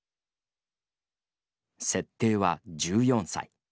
設定は１４歳。